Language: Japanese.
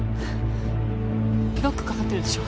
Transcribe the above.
ロックかかってるでしょ？